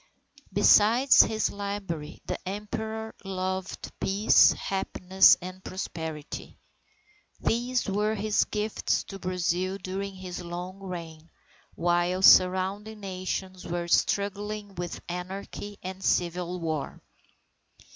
Besides his library the Emperor loved peace, happiness, and prosperity. These were his gifts to Brazil during his long reign, while surrounding Nations were struggling with anarchy and civil war.